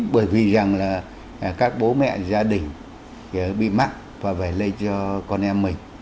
bởi vì rằng là các bố mẹ gia đình bị mắc và phải lây cho con em mình